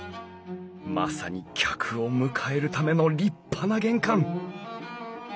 まさに客を迎えるための立派な玄関。